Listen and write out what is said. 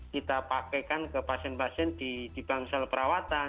kita pakaikan ke pasien pasien di bangsal perawatan